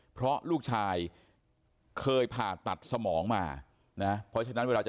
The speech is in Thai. เพราะลูกชายเคยผ่าตัดสมองมานะ